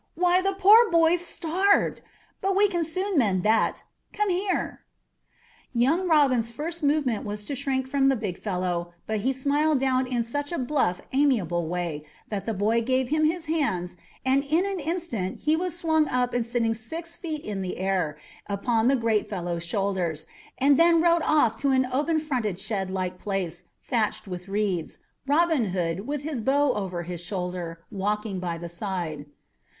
"Why, the poor boy's starved. But we can soon mend that. Come here!" Young Robin's first movement was to shrink from the big fellow, but he smiled down in such a bluff, amiable way, that the boy gave him his hands, and in an instant he was swung up and sitting six feet in the air upon the great fellow's shoulder, and then rode off to an open fronted shed like place thatched with reeds, Robin Hood, with his bow over his shoulder, walking by the side.